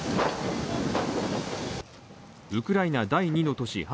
ウクライナ第２の都市